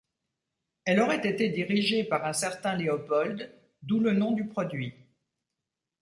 Elle aurait été dirigée par un certain Léopold, d'où le nom du produit.